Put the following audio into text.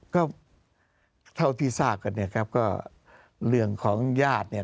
ก็เท่าที่ทราบกันก็เรื่องของญาติ